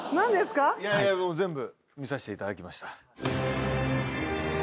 もう全部見させていただきました。